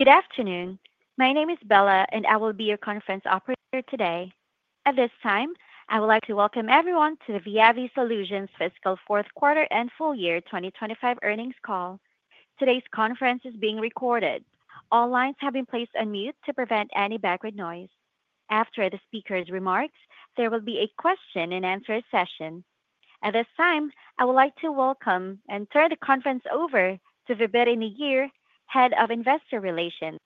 Good afternoon. My name is Bella, and I will be your conference operator today. At this time, I would like to welcome everyone to the Viavi Solutions Fiscal Fourth Quarter and Full Year 2025 Earnings Call. Today's conference is being recorded. All lines have been placed on mute to prevent any background noise. After the speaker's remarks, there will be a question and answer session. At this time, I would like to welcome and turn the conference over to Vibhuti Nayar, Head of Investor Relations.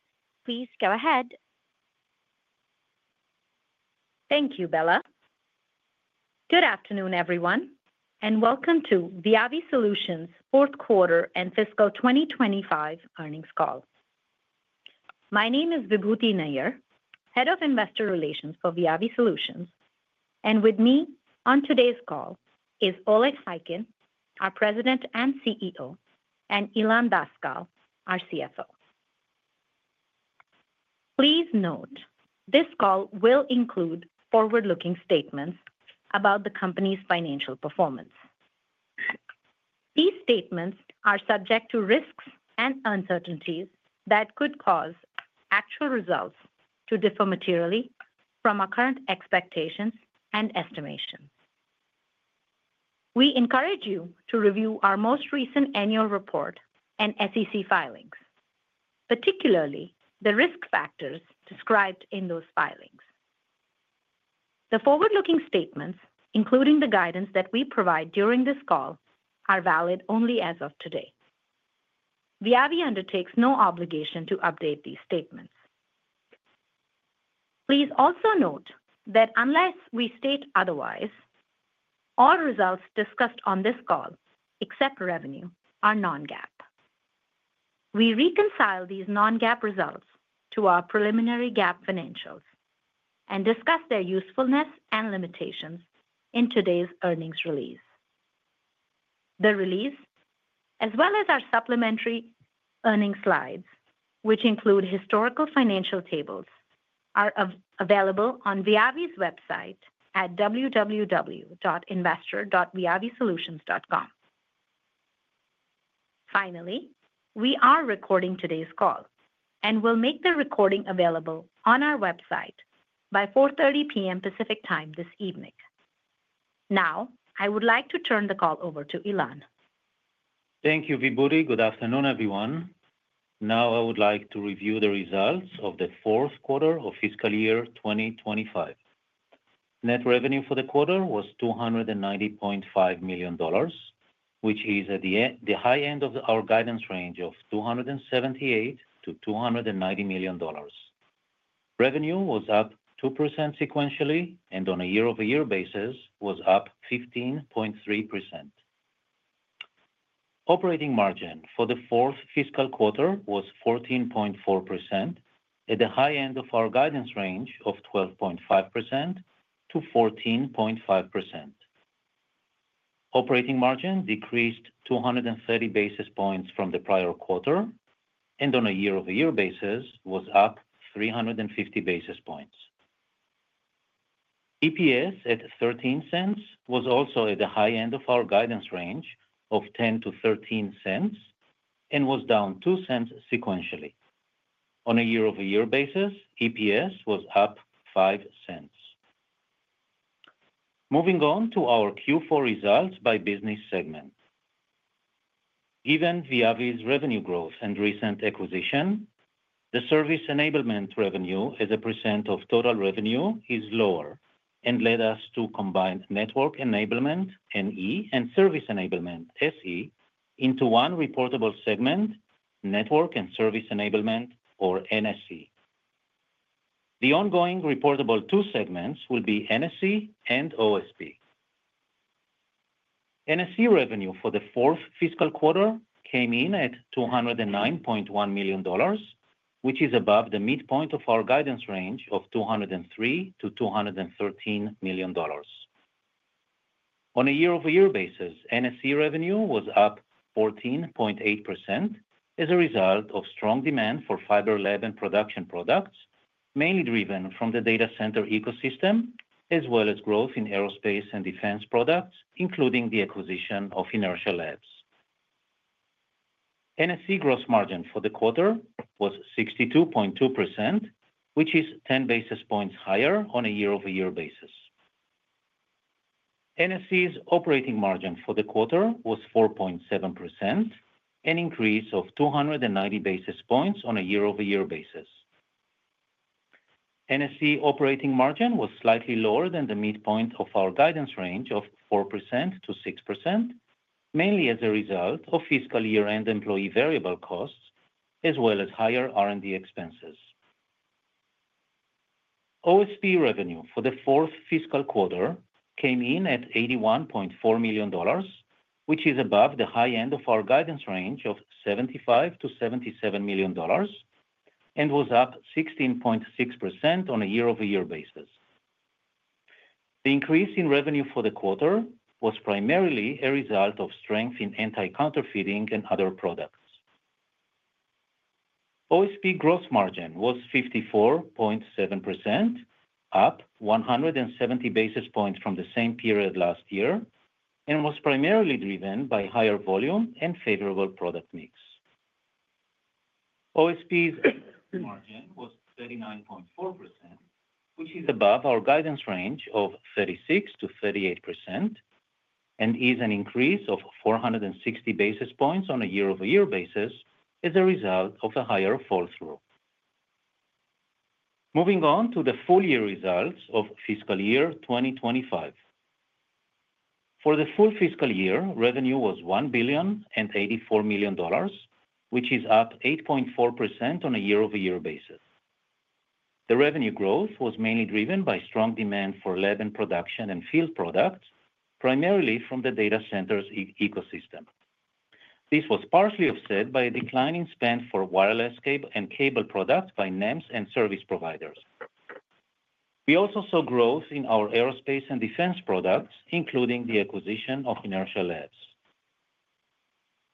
Please go ahead. Thank you, Bella. Good afternoon, everyone, and welcome to Viavi Solutions' Fourth Quarter and Fiscal 2025 Earnings Call. My name is Vibhuti Nayar, Head of Investor Relations for Viavi Solutions, and with me on today's call is Oleg Khaykin, our President and CEO, and Ilan Daskal, our CFO. Please note this call will include forward-looking statements about the company's financial performance. These statements are subject to risks and uncertainties that could cause actual results to differ materially from our current expectations and estimations. We encourage you to review our most recent annual report and SEC filings, particularly the risk factors described in those filings. The forward-looking statements, including the guidance that we provide during this call, are valid only as of today. Viavi undertakes no obligation to update these statements. Please also note that unless we state otherwise, all results discussed on this call, except revenue, are non-GAAP. We reconcile these non-GAAP results to our preliminary GAAP financials and discuss their usefulness and limitations in today's earnings release. The release, as well as our supplementary earnings slides, which include historical financial tables, are available on Viavi's website at www.investor.viavisolutions.com. Finally, we are recording today's call and will make the recording available on our website by 4:30 P.M. Pacific Time this evening. Now, I would like to turn the call over to Ilan. Thank you, Vibhuti. Good afternoon, everyone. Now, I would like to review the results of the fourth quarter of fiscal year 2025. Net revenue for the quarter was $290.5 million, which is at the high end of our guidance range of $278 million-$290 million. Revenue was up 2% sequentially, and on a year-over-year basis, was up 15.3%. Operating margin for the fourth fiscal quarter was 14.4%, at the high end of our guidance range of 12.5%-14.5%. Operating margin decreased 230 basis points from the prior quarter, and on a year-over-year basis, was up 350 basis points. EPS at $0.13 was also at the high end of our guidance range of $0.10-$0.13 and was down $0.02 sequentially. On a year-over-year basis, EPS was up $0.05. Moving on to our Q4 results by business segment. Given Viavi's revenue growth and recent acquisition, the Service Enablement revenue as a percent of total revenue is lower and led us to combine Network Enablement, NE, and Service Enablement, SE, into one reportable segment, Network and Service Enablement, or NSE. The ongoing reportable two segments will be NSE and OSP. NSE revenue for the fourth fiscal quarter came in at $209.1 million, which is above the midpoint of our guidance range of $203 million-$213 million. On a year-over-year basis, NSE revenue was up 14.8% as a result of strong demand for fiber lab and production products, mainly driven from the data center ecosystem, as well as growth in aerospace and defense products, including the acquisition of Inertial Labs. NSE gross margin for the quarter was 62.2%, which is 10 basis points higher on a year-over-year basis. NSE's operating margin for the quarter was 4.7%, an increase of 290 basis points on a year-over-year basis. NSE operating margin was slightly lower than the midpoint of our guidance range of 4%-6%, mainly as a result of fiscal year-end employee variable costs, as well as higher R&D expenses. OSP revenue for the fourth fiscal quarter came in at $81.4 million, which is above the high end of our guidance range of $75 million-$77 million, and was up 16.6% on a year-over-year basis. The increase in revenue for the quarter was primarily a result of strength in anti-counterfeiting and other products. OSP gross margin was 54.7%, up 170 basis points from the same period last year, and was primarily driven by higher volume and favorable product mix. OSP's margin was 39.4%, which is above our guidance range of 36%-38%, and is an increase of 460 basis points on a year-over-year basis as a result of a higher fall through. Moving on to the full year results of fiscal year 2025. For the full fiscal year, revenue was $1.084 billion, which is up 8.4% on a year-over-year basis. The revenue growth was mainly driven by strong demand for lab and production and field products, primarily from the data centers ecosystem. This was partially offset by a declining spend for wireless cable and cable products by NEMs and service providers. We also saw growth in our aerospace and defense products, including the acquisition of Inertial Labs.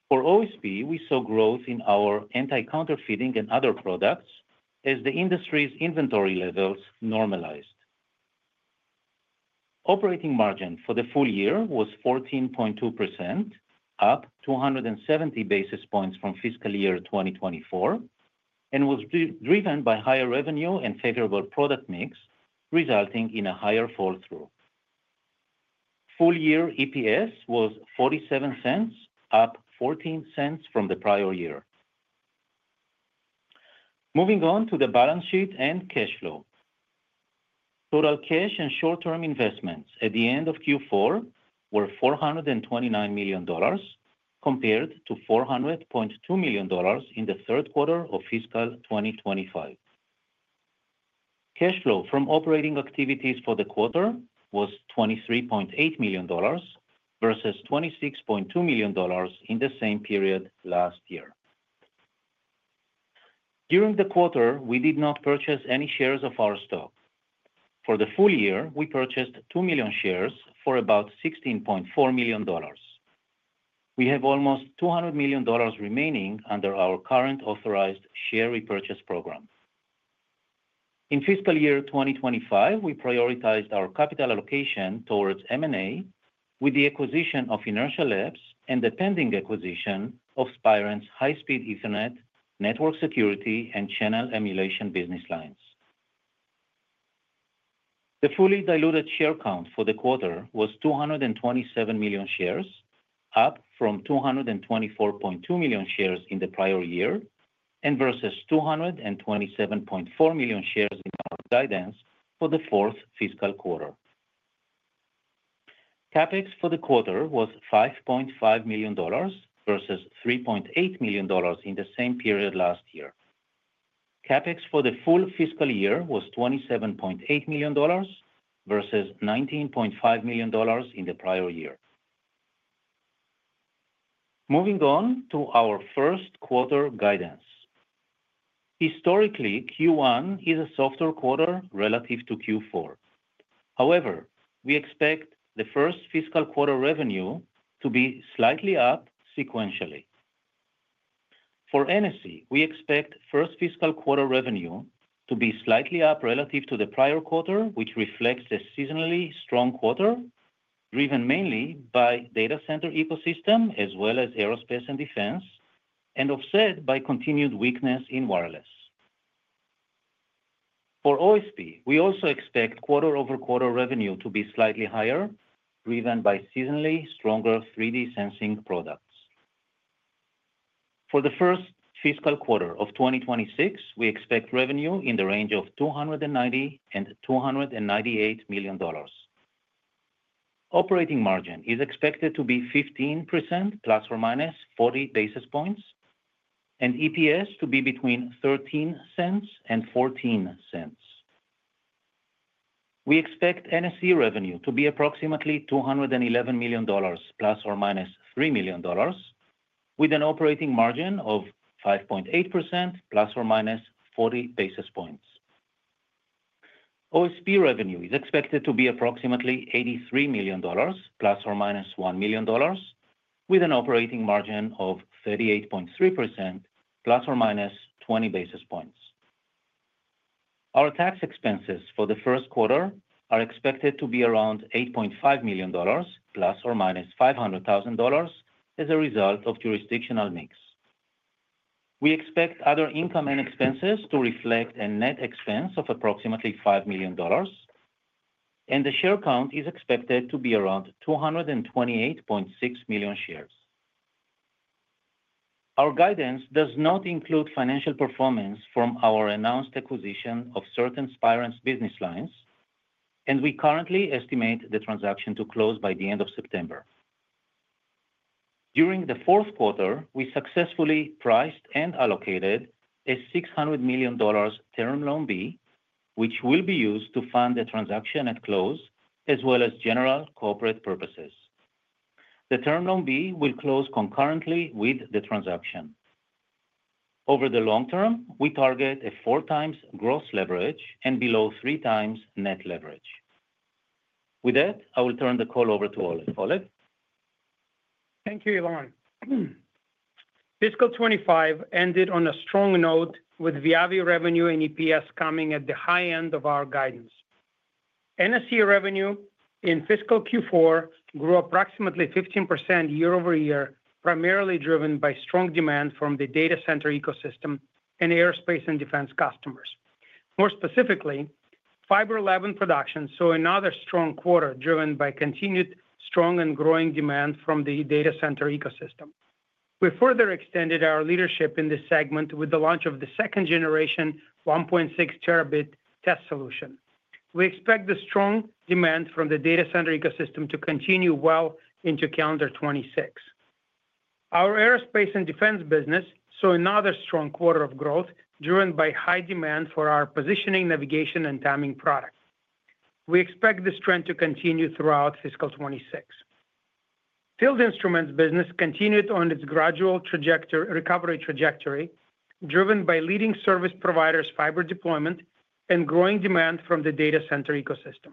For OSP, we saw growth in our anti-counterfeiting and other products as the industry's inventory levels normalized. Operating margin for the full year was 14.2%, up 270 basis points from fiscal year 2024, and was driven by higher revenue and favorable product mix, resulting in a higher fall through. Full year EPS was $0.47, up $0.14 from the prior year. Moving on to the balance sheet and cash flow. Total cash and short-term investments at the end of Q4 were $429 million compared to $400.2 million in the third quarter of fiscal year 2025. Cash flow from operating activities for the quarter was $23.8 million versus $26.2 million in the same period last year. During the quarter, we did not purchase any shares of our stock. For the full year, we purchased 2 million shares for about $16.4 million. We have almost $200 million remaining under our current authorized share repurchase program. In fiscal year 2025, we prioritized our capital allocation towards M&A with the acquisition of Inertial Labs and the pending acquisition of Spirent High-Speed Ethernet network security and channel emulation business lines. The fully diluted share count for the quarter was 227 million shares, up from 224.2 million shares in the prior year, and versus 227.4 million shares in our guidance for the fourth fiscal quarter. CapEx for the quarter was $5.5 million versus $3.8 million in the same period last year. CapEx for the full fiscal year was $27.8 million versus $19.5 million in the prior year. Moving on to our first quarter guidance. Historically, Q1 is a softer quarter relative to Q4. However, we expect the first fiscal quarter revenue to be slightly up sequentially. For NSE, we expect first fiscal quarter revenue to be slightly up relative to the prior quarter, which reflects a seasonally strong quarter, driven mainly by the data center ecosystem, as well as aerospace and defense, and offset by continued weakness in wireless. For OSP, we also expect quarter-over-quarter revenue to be slightly higher, driven by seasonally stronger 3D sensing products. For the first fiscal quarter of 2026, we expect revenue in the range of $290 million and $298 million. Operating margin is expected to be 15%, ±40 basis points, and EPS to be between $0.13 and $0.14. We expect NSE revenue to be approximately $211 million, ±$3 million, with an operating margin of 5.8%, ±40 basis points. OSP revenue is expected to be approximately $83 million, ±$1 million, with an operating margin of 38.3%, ±20 basis points. Our tax expenses for the first quarter are expected to be around $8.5 million, ±$500,000, as a result of jurisdictional mix. We expect other income and expenses to reflect a net expense of approximately $5 million, and the share count is expected to be around 228.6 million shares. Our guidance does not include financial performance from our announced acquisition of certain Spirent business lines, and we currently estimate the transaction to close by the end of September. During the fourth quarter, we successfully priced and allocated a $600 million term loan B, which will be used to fund the transaction at close, as well as general corporate purposes. The term loan B will close concurrently with the transaction. Over the long term, we target a four times gross leverage and below three times net leverage. With that, I will turn the call over to Oleg. Thank you, Ilan. Fiscal 2025 ended on a strong note with Viavi revenue and EPS coming at the high end of our guidance. NSE revenue in fiscal Q4 grew approximately 15% year-over-year, primarily driven by strong demand from the data center ecosystem and aerospace and defense customers. More specifically, fiber lab and production saw another strong quarter driven by continued strong and growing demand from the data center ecosystem. We further extended our leadership in this segment with the launch of the second generation 1.6 Tb test solution. We expect the strong demand from the data center ecosystem to continue well into calendar 2026. Our aerospace and defense business saw another strong quarter of growth, driven by high demand for our positioning, navigation, and timing products. We expect this trend to continue throughout fiscal 2026. Field instruments business continued on its gradual recovery trajectory, driven by leading service providers' fiber deployment and growing demand from the data center ecosystem.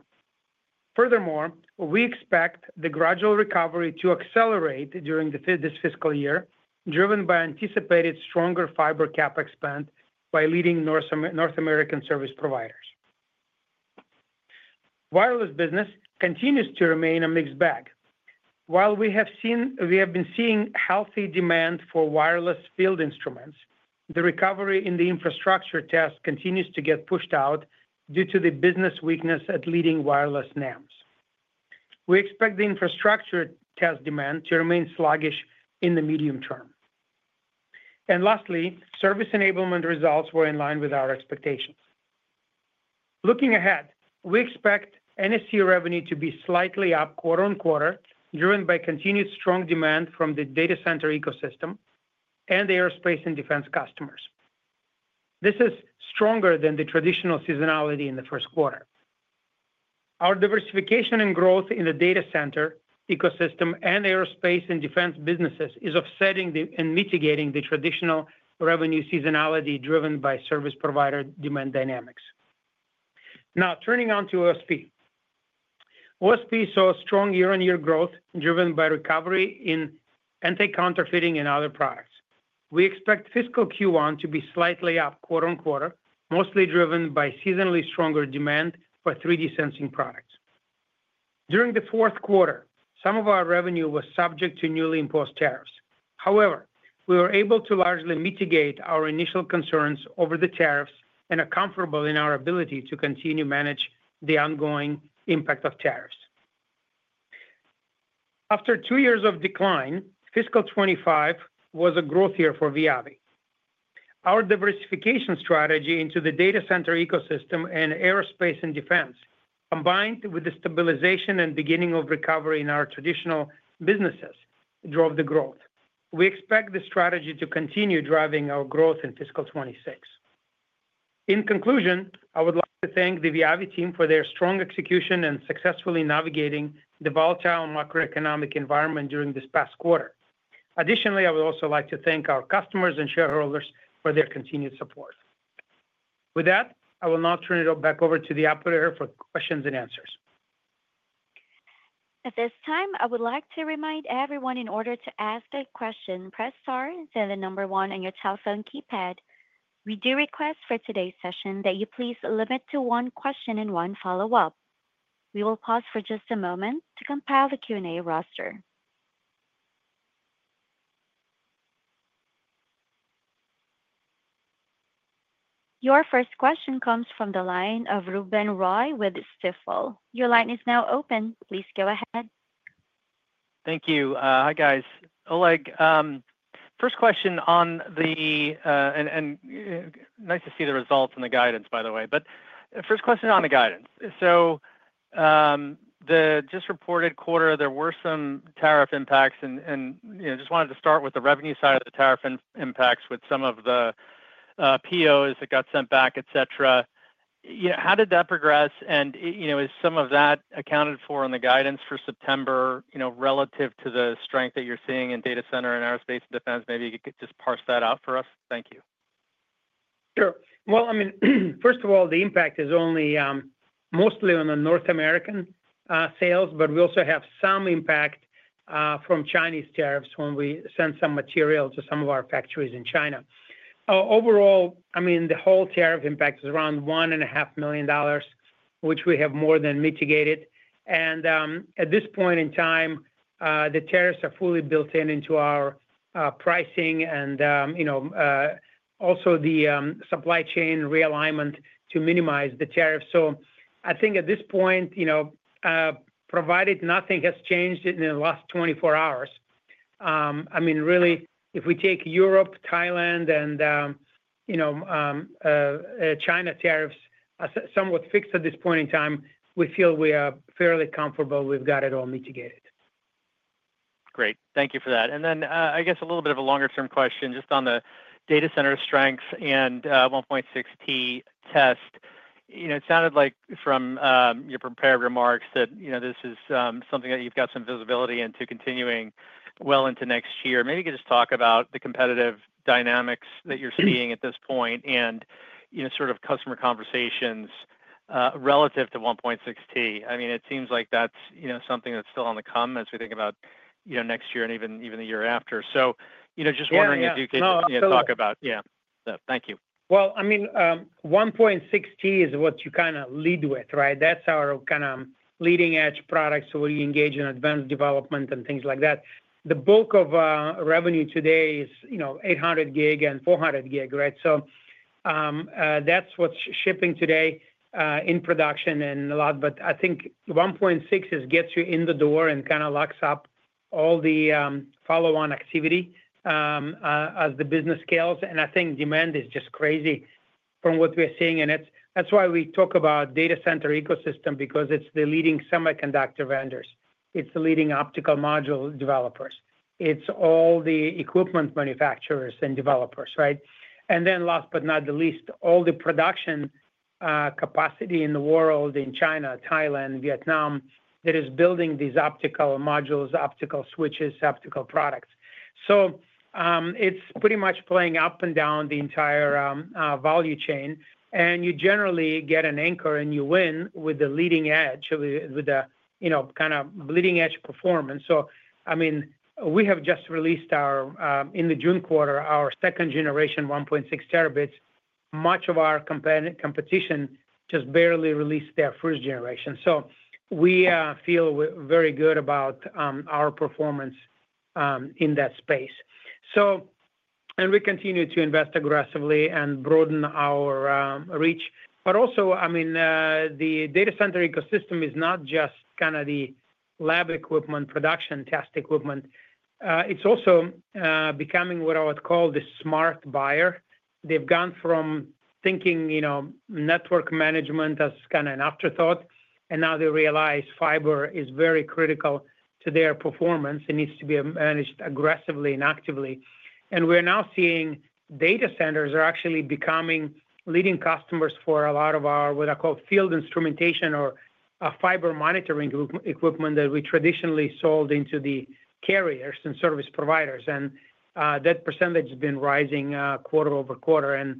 Furthermore, we expect the gradual recovery to accelerate during this fiscal year, driven by anticipated stronger fiber CapEx spend by leading North American service providers. Wireless business continues to remain a mixed bag. While we have been seeing healthy demand for wireless field instruments, the recovery in the infrastructure test continues to get pushed out due to the business weakness at leading wireless NEMs. We expect the infrastructure test demand to remain sluggish in the medium term. Lastly, service enablement results were in line with our expectations. Looking ahead, we expect NSE revenue to be slightly up quarter-on-quarter, driven by continued strong demand from the data center ecosystem and aerospace and defense customers. This is stronger than the traditional seasonality in the first quarter. Our diversification and growth in the data center ecosystem and aerospace and defense businesses is offsetting and mitigating the traditional revenue seasonality driven by service provider demand dynamics. Now, turning on to OSP. OSP saw strong year-on-year growth driven by recovery in anti-counterfeiting and other products. We expect fiscal Q1 to be slightly up quarter-on-quarter, mostly driven by seasonally stronger demand for 3D sensing products. During the fourth quarter, some of our revenue was subject to newly imposed tariffs. However, we were able to largely mitigate our initial concerns over the tariffs and are comfortable in our ability to continue to manage the ongoing impact of tariffs. After two years of decline, fiscal 2025 was a growth year for Viavi. Our diversification strategy into the data center ecosystem and aerospace and defense, combined with the stabilization and beginning of recovery in our traditional businesses, drove the growth. We expect this strategy to continue driving our growth in fiscal 2026. In conclusion, I would like to thank the Viavi team for their strong execution and successfully navigating the volatile macroeconomic environment during this past quarter. Additionally, I would also like to thank our customers and shareholders for their continued support. With that, I will now turn it back over to the operator for questions and answers. At this time, I would like to remind everyone, in order to ask a question, press star then the number one on your telephone keypad. We do request for today's session that you please limit to one question and one follow-up. We will pause for just a moment to compile the Q&A roster. Your first question comes from the line of Ruben Roy with Stifel. Your line is now open. Please go ahead. Thank you. Hi, guys. Oleg, first question on the guidance, and nice to see the results in the guidance, by the way. First question on the guidance. The just reported quarter, there were some tariff impacts, and I just wanted to start with the revenue side of the tariff impacts with some of the POs that got sent back, et cetera. How did that progress? Is some of that accounted for in the guidance for September, relative to the strength that you're seeing in data center and aerospace and defense? Maybe you could just parse that out for us. Thank you. First of all, the impact is only mostly on the North American sales, but we also have some impact from Chinese tariffs when we send some material to some of our factories in China. Overall, the whole tariff impact is around $1.5 million, which we have more than mitigated. At this point in time, the tariffs are fully built in into our pricing and, you know, also the supply chain realignment to minimize the tariffs. I think at this point, provided nothing has changed in the last 24 hours, if we take Europe, Thailand, and, you know, China tariffs are somewhat fixed at this point in time, we feel we are fairly comfortable we've got it all mitigated. Great. Thank you for that. I guess a little bit of a longer-term question just on the data center strength and 1.6 Tb test. It sounded like from your prepared remarks that this is something that you've got some visibility into continuing well into next year. Maybe you could just talk about the competitive dynamics that you're seeing at this point and sort of customer conversations relative to 1.6 T? It seems like that's something that's still on the come as we think about next year and even the year after. Just wondering if you could talk about that. Thank you. I mean, 1.6 T is what you kind of lead with, right? That's our kind of leading-edge products where you engage in advanced development and things like that. The bulk of revenue today is, you know, 800 gig and 400 gig, right? That's what's shipping today in production and a lot. I think 1.6 Tb gets you in the door and kind of locks up all the follow-on activity as the business scales. I think demand is just crazy from what we're seeing. That's why we talk about data center ecosystem because it's the leading semiconductor vendors. It's the leading optical module developers. It's all the equipment manufacturers and developers, right? Last but not the least, all the production capacity in the world, in China, Thailand, Vietnam, that is building these optical modules, optical switches, optical products. It's pretty much playing up and down the entire value chain. You generally get an anchor and you win with the leading edge, with the, you know, kind of bleeding-edge performance. We have just released our, in the June quarter, our second generation 1.6 Tb test solution. Much of our competition just barely released their first generation. We feel we're very good about our performance in that space. We continue to invest aggressively and broaden our reach. The data center ecosystem is not just kind of the lab equipment, production, test equipment. It's also becoming what I would call the smart buyer. They've gone from thinking, you know, network management as kind of an afterthought, and now they realize fiber is very critical to their performance and needs to be managed aggressively and actively. We are now seeing data centers are actually becoming leading customers for a lot of our, what I call, field instruments or fiber monitoring equipment that we traditionally sold into the carriers and service providers. That percentage has been rising quarter over quarter.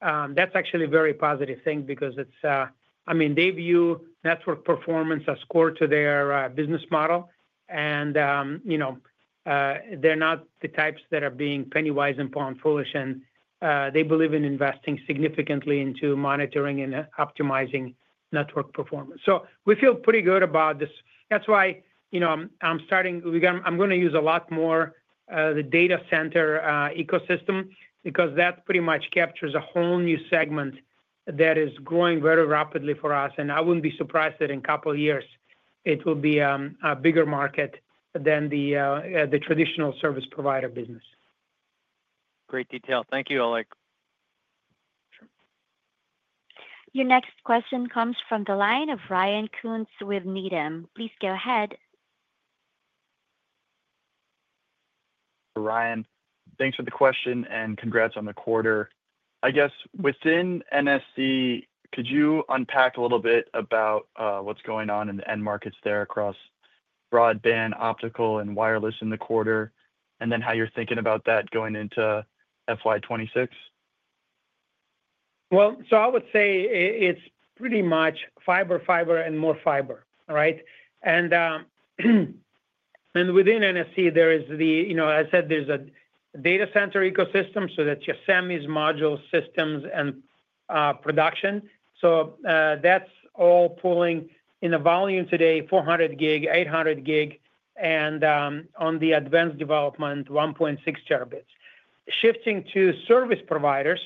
That's actually a very positive thing because it's, I mean, they view network performance as core to their business model. You know, they're not the types that are being penny-wise and pound-foolish. They believe in investing significantly into monitoring and optimizing network performance. We feel pretty good about this. That's why, you know, I'm starting, I'm going to use a lot more the data center ecosystem because that pretty much captures a whole new segment that is growing very rapidly for us. I wouldn't be surprised that in a couple of years, it will be a bigger market than the traditional service provider business. Great detail. Thank you, Oleg. Your next question comes from the line of Ryan Koontz with Needham. Please go ahead. Ryan, thanks for the question and congrats on the quarter. I guess within NSE, could you unpack a little bit about what's going on in the end markets there across broadband, optical, and wireless in the quarter? Then how you're thinking about that going into FY 2026? I would say it's pretty much fiber, fiber, and more fiber, right? Within NSE, there is the, you know, I said there's a data center ecosystem, so that's your SEMIs, modules, systems, and production. That's all pulling in the volume today, 400 gig, 800 gig, and on the advanced development, 1.6 Tb. Shifting to service providers,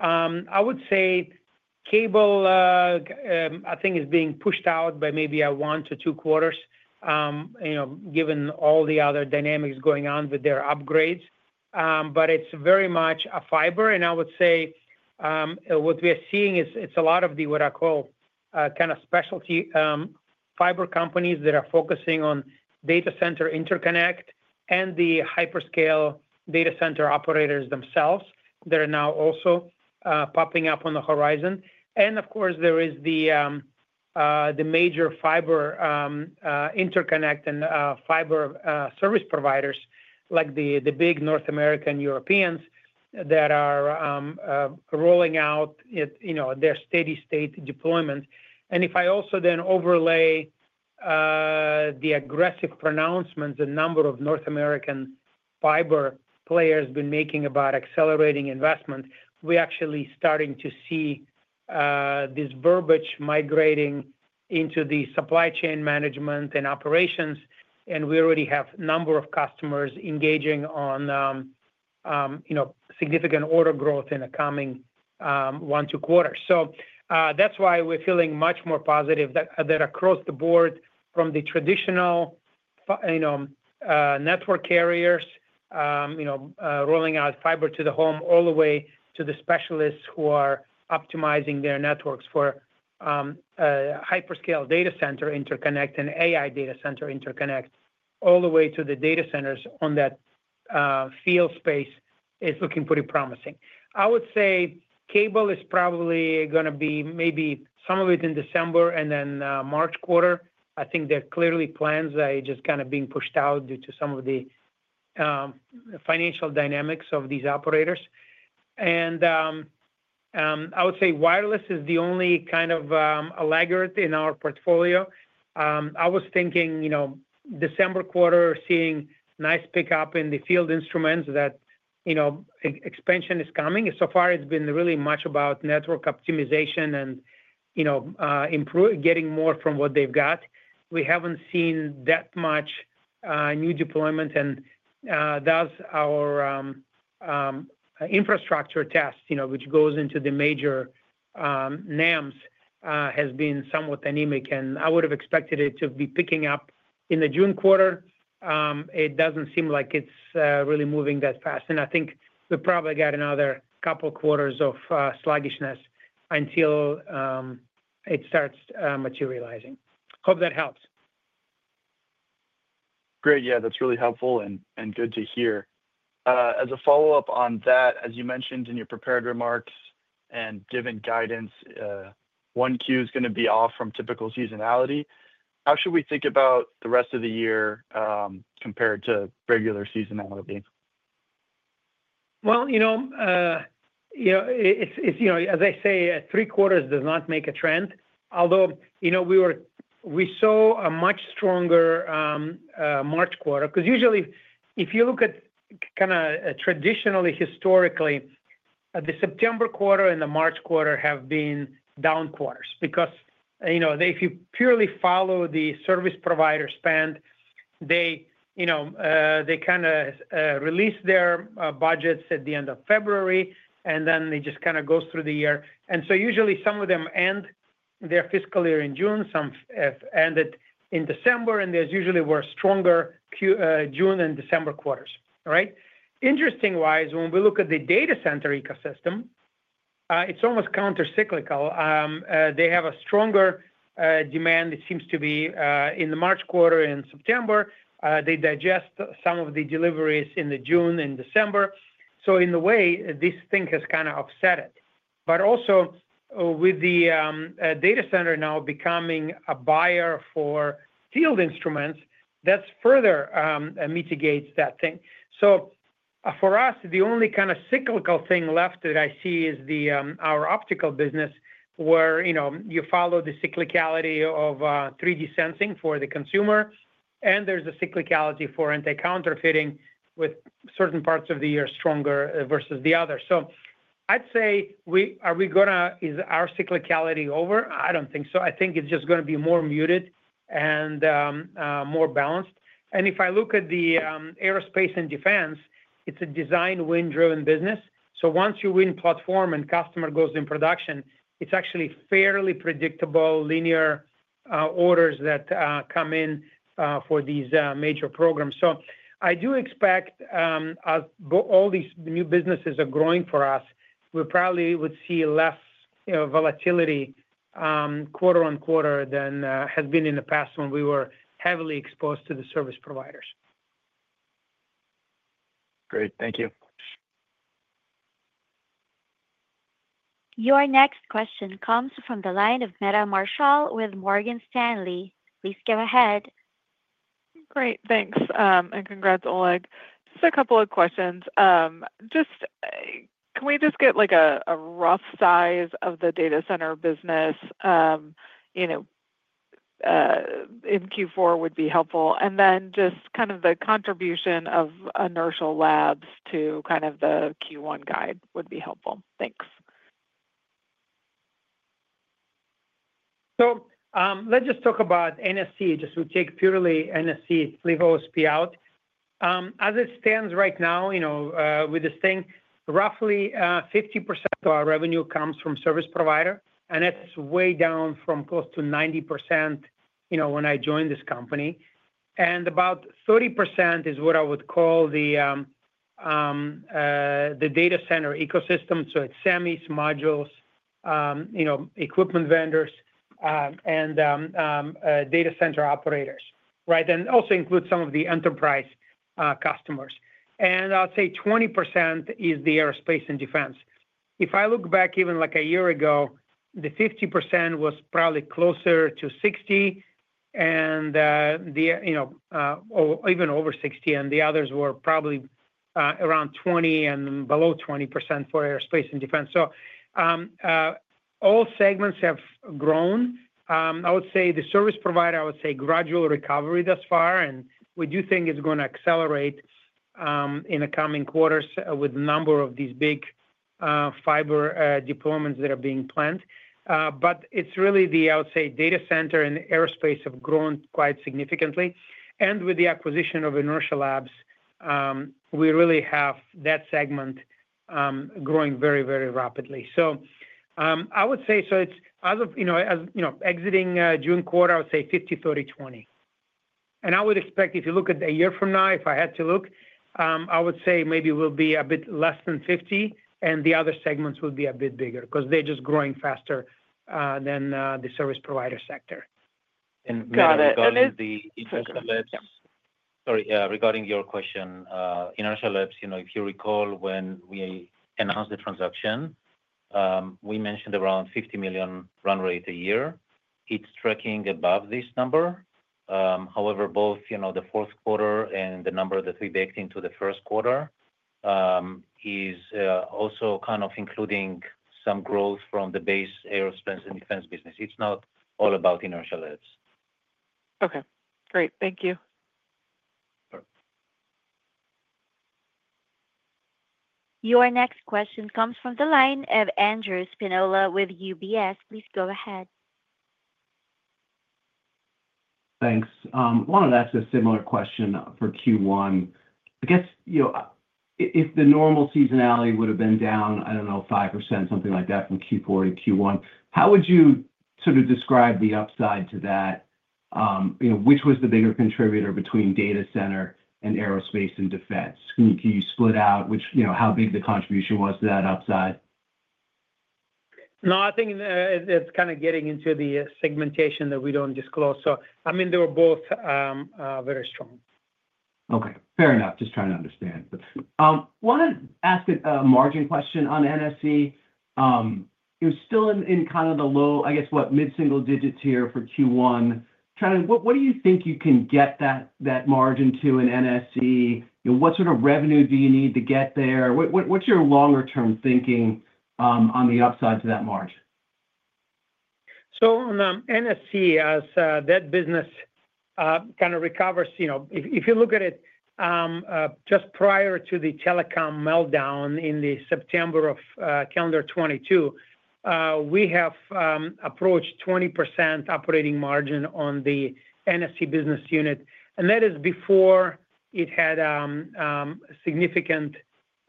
I would say cable, I think, is being pushed out by maybe one to two quarters, given all the other dynamics going on with their upgrades. It's very much a fiber. I would say what we are seeing is it's a lot of the, what I call, kind of specialty fiber companies that are focusing on data center interconnect and the hyperscale data center operators themselves that are now also popping up on the horizon. Of course, there is the major fiber interconnect and fiber service providers like the big North American Europeans that are rolling out their steady-state deployment. If I also then overlay the aggressive pronouncements a number of North American fiber players have been making about accelerating investment, we're actually starting to see this verbiage migrating into the supply chain management and operations. We already have a number of customers engaging on significant order growth in the coming one to two quarters. That's why we're feeling much more positive that across the board from the traditional network carriers rolling out fiber to the home all the way to the specialists who are optimizing their networks for hyperscale data center interconnect and AI data center interconnect all the way to the data centers on that field space is looking pretty promising. I would say cable is probably going to be maybe some of it in December and then March quarter. I think there are clearly plans that are just kind of being pushed out due to some of the financial dynamics of these operators. I would say wireless is the only kind of a laggard in our portfolio. I was thinking December quarter, seeing nice pickup in the field instruments that expansion is coming. So far, it's been really much about network optimization and getting more from what they've got. We haven't seen that much new deployments. Thus, our infrastructure test, which goes into the major NEMs, has been somewhat anemic. I would have expected it to be picking up in the June quarter. It doesn't seem like it's really moving that fast. I think we probably got another couple of quarters of sluggishness until it starts materializing. Hope that helps. Great. Yeah, that's really helpful and good to hear. As a follow-up on that, as you mentioned in your prepared remarks and given guidance, 1Q is going to be off from typical seasonality. How should we think about the rest of the year compared to regular seasonality? As I say, three quarters does not make a trend. Although we saw a much stronger March quarter because usually, if you look at kind of traditionally, historically, the September quarter and the March quarter have been down quarters because if you purely follow the service provider spend, they kind of release their budgets at the end of February, and then it just kind of goes through the year. Usually, some of them end their fiscal year in June, some end it in December, and there's usually stronger June and December quarters, right? Interestingly, when we look at the data center ecosystem, it's almost countercyclical. They have a stronger demand, it seems to be in the March quarter and September. They digest some of the deliveries in the June and December. In a way, this thing has kind of offset it. Also, with the data center now becoming a buyer for field instruments, that further mitigates that thing. For us, the only kind of cyclical thing left that I see is our optical business where you follow the cyclicality of 3D sensing for the consumer, and there's a cyclicality for anti-counterfeiting with certain parts of the year stronger versus the other. I'd say, are we going to, is our cyclicality over? I don't think so. I think it's just going to be more muted and more balanced. If I look at the aerospace and defense, it's a design win-driven business. Once you win platform and customer goes in production, it's actually fairly predictable linear orders that come in for these major programs. I do expect, as all these new businesses are growing for us, we probably would see less volatility quarter on quarter than has been in the past when we were heavily exposed to the service providers. Great. Thank you. Your next question comes from the line of Meta Marshall with Morgan Stanley. Please go ahead. Great. Thanks. Congrats, Oleg. Just a couple of questions. Can we just get like a rough size of the data center business in Q4? That would be helpful. Just kind of the contribution of Inertial Labs to the Q1 guide would be helpful. Thanks. Let's just talk about NSE. If we take purely NSE and leave OSP out, as it stands right now, roughly 50% of our revenue comes from service provider, and that's way down from close to 90% when I joined this company. About 30% is what I would call the data center ecosystem, so it's SEMIs, modules, equipment vendors, and data center operators, right? It also includes some of the enterprise customers. I'll say 20% is the aerospace and defense. If I look back even like a year ago, the 50% was probably closer to 60%, or even over 60%, and the others were probably around 20% and below 20% for aerospace and defense. All segments have grown. I would say the service provider has had a gradual recovery thus far, and we do think it's going to accelerate in the coming quarters with a number of these big fiber deployments that are being planned. It's really the data center and aerospace that have grown quite significantly. With the acquisition of Inertial Labs, we really have that segment growing very, very rapidly. As of exiting June quarter, I would say 50%, 30%, 20%. I would expect if you look at a year from now, if I had to look, maybe we'll be a bit less than 50%, and the other segments will be a bit bigger because they're just growing faster than the service provider sector. Regarding your question, Inertial Labs, you know, if you recall when we announced the transaction, we mentioned around $50 million run rate a year. It's tracking above this number. However, both the fourth quarter and the number that we baked into the first quarter is also kind of including some growth from the base aerospace and defense business. It's not all about Inertial Labs. Okay. Great. Thank you. Your next question comes from the line of Andrew Spinola with UBS. Please go ahead. Thanks. I wanted to ask a similar question for Q1. If the normal seasonality would have been down, I don't know, 5% or something like that from Q4 to Q1, how would you sort of describe the upside to that? Which was the bigger contributor between data center and aerospace and defense? Can you split out how big the contribution was to that upside? No, I think it's kind of getting into the segmentation that we don't disclose. I mean, they were both very strong. Okay. Fair enough. Just trying to understand. I want to ask a margin question on NSE. It was still in kind of the low, I guess, what, mid-single digits here for Q1. What do you think you can get that margin to in NSE? What sort of revenue do you need to get there? What's your longer-term thinking on the upsides of that margin? On NSE, as that business kind of recovers, if you look at it just prior to the telecom meltdown in September 2022, we have approached 20% operating margin on the NSE business unit. That is before it had significant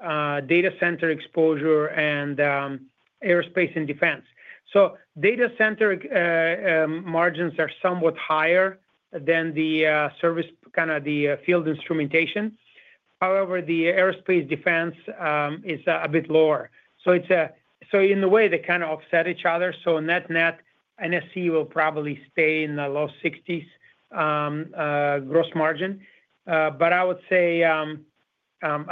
data center exposure and aerospace and defense. Data center margins are somewhat higher than the service, kind of the field instruments. However, the aerospace and defense is a bit lower. In a way, they kind of offset each other. Net-net, NSE will probably stay in the low 60% gross margin. I would say, I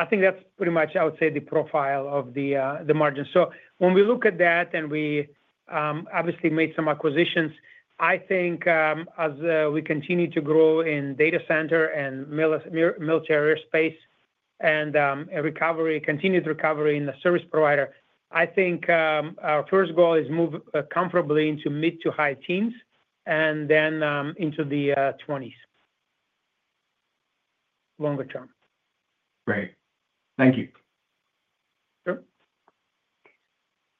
think that's pretty much, I would say, the profile of the margin. When we look at that and we obviously made some acquisitions, I think as we continue to grow in data center and military aerospace and recovery, continued recovery in the service provider, I think our first goal is to move comfortably into mid to high teens and then into the 20s longer term. Great. Thank you. Sure.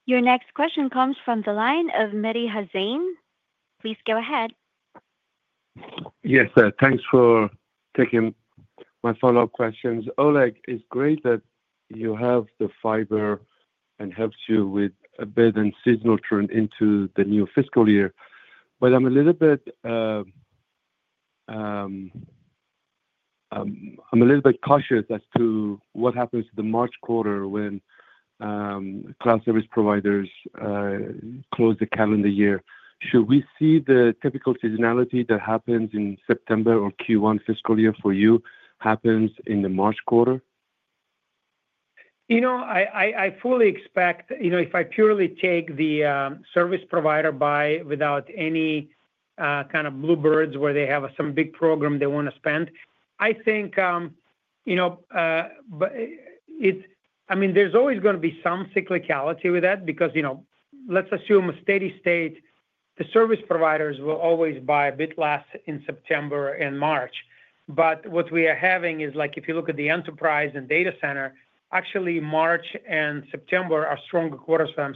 Your next question comes from the line of Mehdi Hosseini. Please go ahead. Yes, thanks for taking my follow-up questions. Oleg, it's great that you have the fiber and helps you with a bit and sees nurturing into the new fiscal year. I'm a little bit cautious as to what happens to the March quarter when cloud service providers close the calendar year. Should we see the typical seasonality that happens in September or Q1 fiscal year for you happen in the March quarter? I fully expect, if I purely take the service provider buy without any kind of bluebirds where they have some big program they want to spend, I think there's always going to be some cyclicality with that because, let's assume a steady state, the service providers will always buy a bit less in September and March. What we are having is if you look at the enterprise and data center, actually March and September are stronger quarters for them.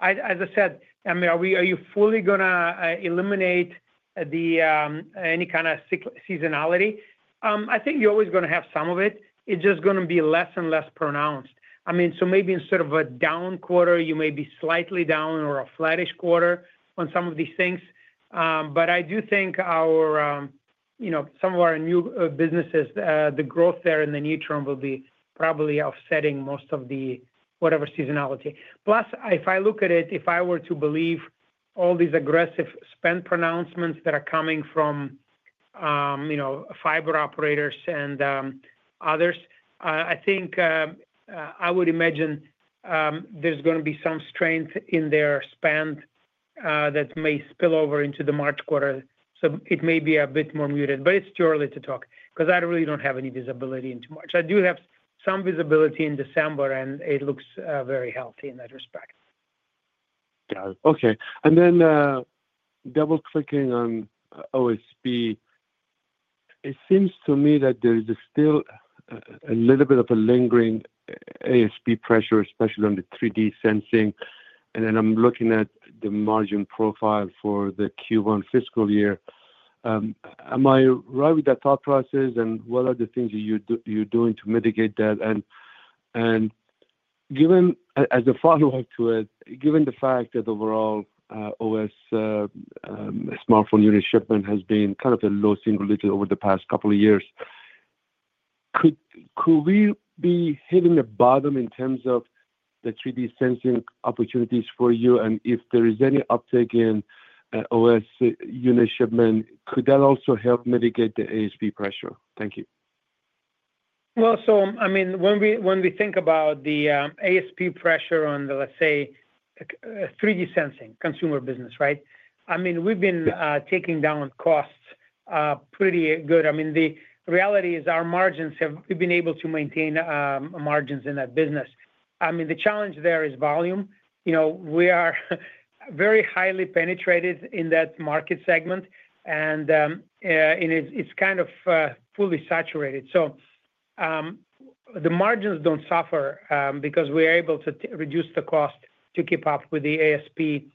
As I said, are you fully going to eliminate any kind of seasonality? I think you're always going to have some of it. It's just going to be less and less pronounced. Maybe instead of a down quarter, you may be slightly down or a flattish quarter on some of these things. I do think some of our new businesses, the growth there in the near term will be probably offsetting most of the whatever seasonality. Plus, if I look at it, if I were to believe all these aggressive spend pronouncements that are coming from fiber operators and others, I would imagine there's going to be some strength in their spend that may spill over into the March quarter. It may be a bit more muted, but it's too early to talk because I really don't have any visibility into March. I do have some visibility in December, and it looks very healthy in that respect. Got it. Okay. Double-clicking on OSP, it seems to me that there's still a little bit of a lingering ASP pressure, especially on the 3D sensing. I'm looking at the margin profile for the Q1 fiscal year. Am I right with that thought process? What are the things that you're doing to mitigate that? Given, as a follow-up to it, given the fact that overall OSP smartphone unit shipment has been kind of a low single digit over the past couple of years, could we be hitting the bottom in terms of the 3D sensing opportunities for you? If there is any uptake in OSP unit shipment, could that also help mitigate the ASP pressure? Thank you. When we think about the ASP pressure on the, let's say, 3D sensing consumer business, we've been taking down costs pretty good. The reality is we've been able to maintain margins in that business. The challenge there is volume. We are very highly penetrated in that market segment, and it's kind of fully saturated. The margins don't suffer because we are able to reduce the cost to keep up with the ASP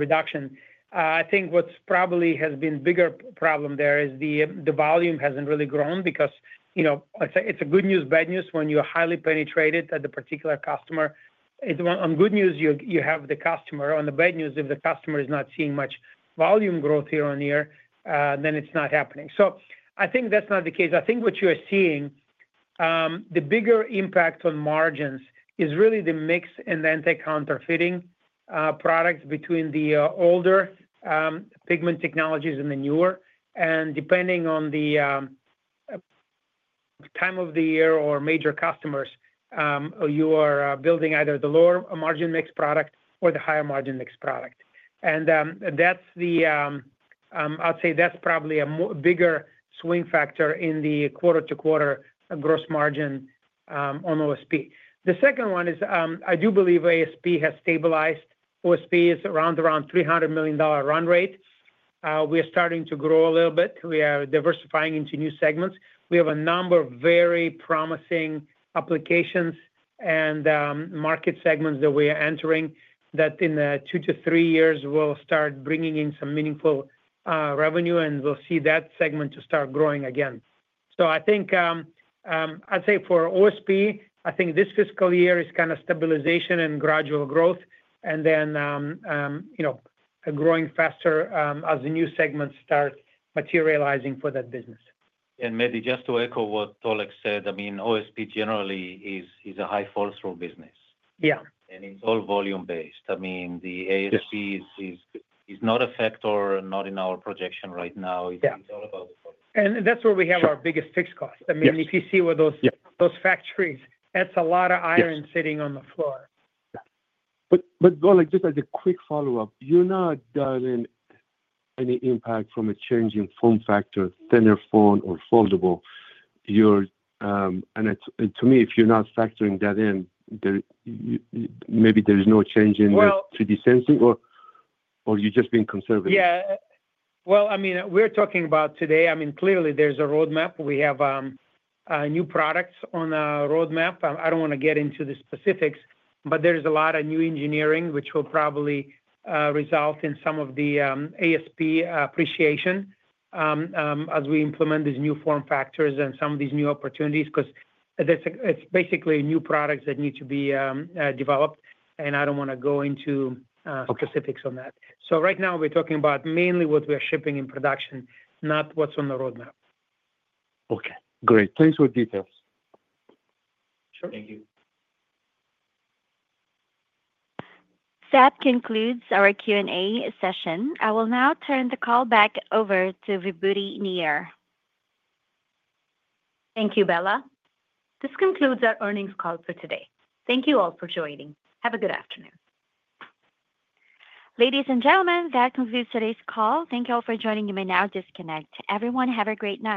reduction. I think what probably has been a bigger problem there is the volume hasn't really grown because it's a good news, bad news when you're highly penetrated at the particular customer. On good news, you have the customer. On the bad news, if the customer is not seeing much volume growth year-on-year, then it's not happening. I think that's not the case. What you are seeing, the bigger impact on margins is really the mix in the anti-counterfeiting products between the older pigment technologies and the newer. Depending on the time of the year or major customers, you are building either the lower margin mix product or the higher margin mix product. I'd say that's probably a bigger swing factor in the quarter-to-quarter gross margin on OSP. The second one is I do believe ASP has stabilized. OSP is around $300 million run rate. We are starting to grow a little bit. We are diversifying into new segments. We have a number of very promising applications and market segments that we are entering that in two to three years will start bringing in some meaningful revenue, and we'll see that segment start growing again. I'd say for OSP, this fiscal year is kind of stabilization and gradual growth, and then growing faster as the new segments start materializing for that business. Maybe just to echo what Oleg said, I mean, OSP generally is a high fall through business. Yeah. It's all volume-based. The ASP is not a factor, not in our projection right now. It's all about. That is where we have our biggest fixed cost. If you see where those factories are, that is a lot of iron sitting on the floor. Oleg, just as a quick follow-up, you're not dialing any impact from a changing form factor, thinner phone or foldable. You're, and it's to me, if you're not factoring that in, maybe there's no change in the 3D sensing or you're just being conservative. I mean, we're talking about today. Clearly, there's a roadmap. We have new products on a roadmap. I don't want to get into the specifics, but there's a lot of new engineering which will probably result in some of the ASP appreciation as we implement these new form factors and some of these new opportunities because it's basically new products that need to be developed. I don't want to go into specifics on that. Right now, we're talking about mainly what we are shipping in production, not what's on the roadmap. Okay. Great, thanks for the details. Sure. Thank you. That concludes our Q&A session. I will now turn the call back over to Vibhuti Nayar. Thank you, Bella. This concludes our earnings call for today. Thank you all for joining. Have a good afternoon. Ladies and gentlemen, that concludes today's call. Thank you all for joining. I will now disconnect. Everyone, have a great night.